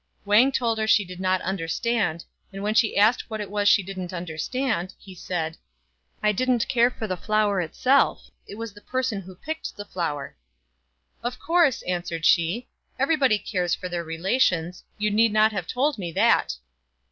Wang told her she did not understand, and when she asked what it was she didn't understand, he said, " I didn't care for the flower itself; it was the person who picked the flower." " Of course," answered she, " everybody cares for their relations ; you needn't have told me that."